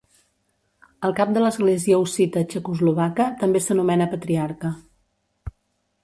El cap de l'Església hussita txecoslovaca també s'anomena Patriarca.